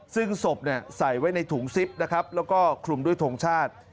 ซึ่งศพใส่ไว้ในถุงซิปนะครับแล้วก็คลุมด้วยทงชาติ